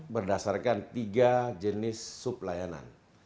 berdasarkan tiga jenis sublayanan